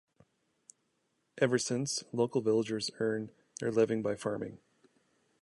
Ever since, local villagers earn their living by farming.